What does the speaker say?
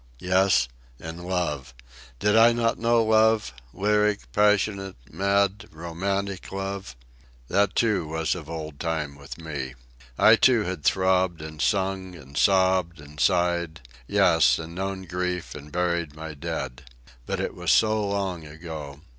Yes; and love! Did I not know love—lyric, passionate, mad, romantic love? That, too, was of old time with me. I, too, had throbbed and sung and sobbed and sighed—yes, and known grief, and buried my dead. But it was so long ago.